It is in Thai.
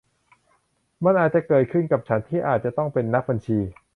มันอาจจะเกิดขึ้นกับฉันที่อาจจะต้องเป็นนักบัญชี